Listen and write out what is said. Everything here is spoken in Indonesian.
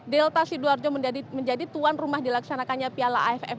delta sidoarjo menjadi tuan rumah dilaksanakannya piala aff